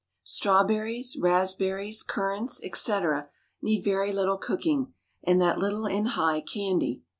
_ Strawberries, raspberries, currants, etc., need very little cooking, and that little in high candy.